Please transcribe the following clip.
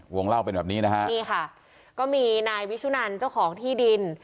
วงเล่าเป็นแบบนี้นะฮะนี่ค่ะก็มีนายวิสุนันเจ้าของที่ดิน